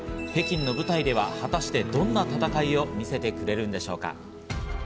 北京の舞台では果たしてどんな戦いを見せてくれるんでしょうか。